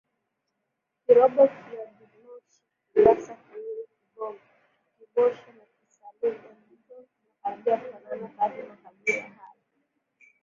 Kirombo Kioldimoshi Kingassa Kiuru Kikibosho na KisihaLugha hizo zinakaribia kufanana kadiri makabila hayo